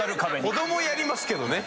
子供はやりますけどね。